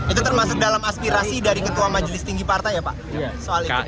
itu termasuk dalam aspirasi dari ketua majelis tinggi partai ya pak soal itu